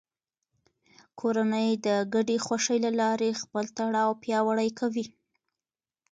کورنۍ د ګډې خوښۍ له لارې خپل تړاو پیاوړی کوي